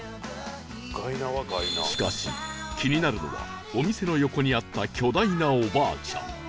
しかし気になるのはお店の横にあった巨大なおばあちゃん